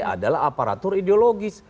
adalah aparatur ideologis